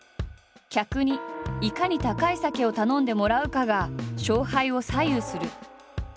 客にいかに高い酒を頼んでもらうかが勝敗を左右する。